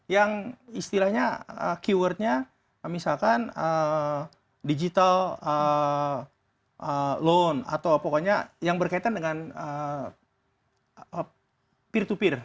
yang istilahnya keywordnya misalkan digital loan atau pokoknya yang berkaitan dengan peer to peer